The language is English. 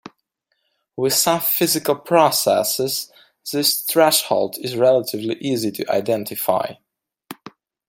With some physical processes this threshold is relatively easy to identify.